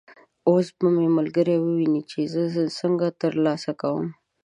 اوس به مې ملګري وویني چې زه یې څنګه تر لاسه کوم.